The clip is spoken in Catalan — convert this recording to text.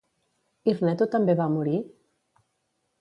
Hirneto també va morir?